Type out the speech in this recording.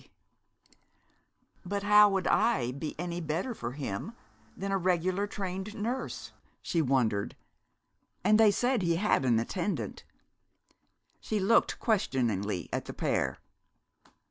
YOU WOULD HAVE TO BE HIS WIFE"] "But how would I be any better for him than a regular trained nurse?" she wondered. "And they said he had an attendant." She looked questioningly at the pair.